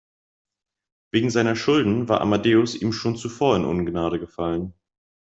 Wegen seiner Schulden war Amadeus ihm schon zuvor in Ungnade gefallen.